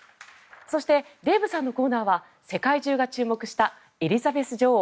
そしてデーブさんのコーナーは世界中が注目したエリザベス女王